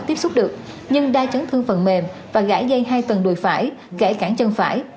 tiếp xúc được nhưng đa chấn thương phần mềm và gãi dây hai tầng đùi phải gãi cảng chân phải